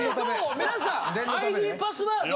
皆さんＩＤパスワード